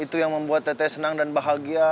itu yang membuat tete senang dan bahagia